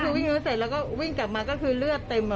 ก็คือวิ่งเนื้อเสร็จแล้ววิ่งกลัวมาก็คือเลือดเต็มหมดละ